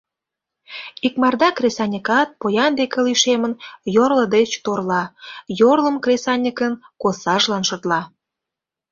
Икмарда кресаньыкат, поян деке лишемын, йорло деч торла, йорлым кресаньыкын косажлан шотла.